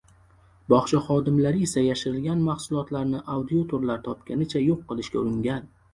Bogʻcha xodimlari esa yashirilgan mahsulotlarni auditorlar topgunicha yoʻq qilishga uringan.